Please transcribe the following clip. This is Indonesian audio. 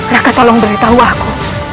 raka tolong beritahu aku